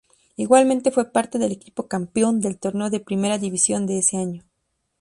Igualmente fue parte del equipo campeón del torneo de Primera División de ese año.